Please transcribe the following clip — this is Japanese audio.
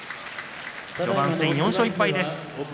序盤戦４勝１敗です。